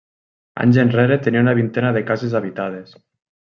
Anys enrere tenia una vintena de cases habitades.